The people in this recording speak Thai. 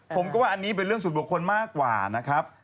ผมก็ว่าอันนี้เป็นเรื่องส่วนบุคคลมากกว่านะครับ